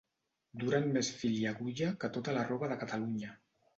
Duren més fil i agulla que tota la roba de Catalunya.